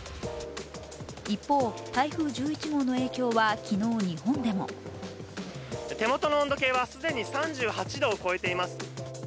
一方、台風１１号の影響は昨日日本でも手元の温度計は既に３８度を超えています。